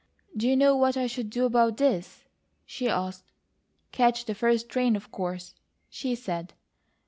"Do you know what I should do about this?" she asked. "Catch the first train, of course," she said.